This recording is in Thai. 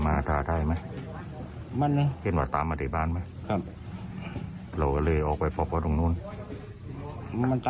มันตามพวกมันนี่ถึงกับพวกมันผ่านไปจีบของมุมนะฮะ